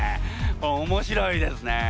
おもしろいですね。